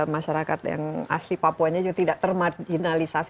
masyarakat yang asli papuanya juga tidak termarginalisasi